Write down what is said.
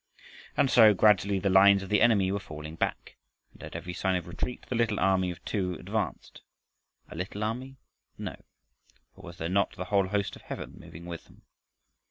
And so, gradually, the lines of the enemy were falling back, and at every sign of retreat the little army of two advanced. A little army? No! For was there not the whole host of heaven moving with them?